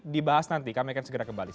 dibahas nanti kami akan segera kembali